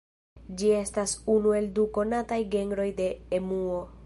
Ĝi estas unu el du konataj genroj de emuo.